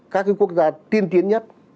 các cái quốc gia tiên tiến nhất